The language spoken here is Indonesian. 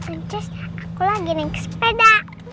terus aku lagi naik sepeda